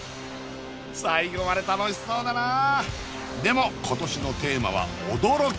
最後まで楽しそうだなあでも今年のテーマは「驚き」